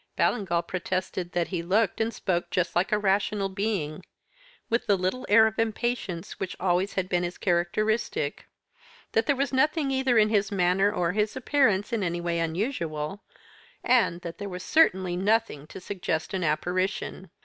"Ballingall protested that he looked and spoke just like a rational being with the little air of impatience which had always been his characteristic; that there was nothing either in his manner or his appearance in any way unusual, and that there was certainly nothing to suggest an apparition.